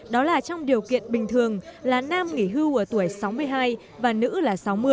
đó là trong điều kiện bình thường là nam nghỉ hưu ở tuổi sáu mươi hai và nữ là sáu mươi